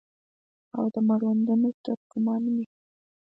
او د مړوندونو تر کمان مې